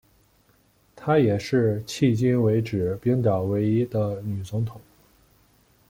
她也是迄今为止冰岛唯一的女总统。